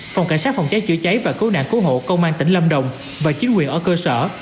phòng cảnh sát phòng cháy chữa cháy và cứu nạn cứu hộ công an tỉnh lâm đồng và chính quyền ở cơ sở